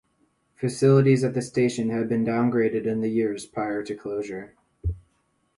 Facilities at the station had been downgraded in the years prior to closure.